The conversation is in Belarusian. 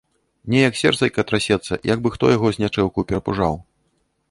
Неяк сэрцайка трасецца, як бы хто яго знячэўку перапужаў.